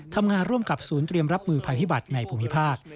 ทำงานร่วมกับศูนย์เตรียมรับมือภัยพิบัติในภูมิภาค